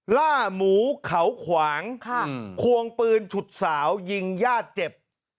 ล่าหมูเขาขวางควงปืนฉุดสาวยิงญาติเจ็บ